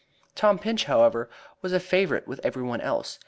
Tom Pinch, however, was a favorite with every one else.